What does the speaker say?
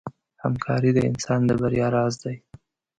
همکاري د انسان د بریا راز دی.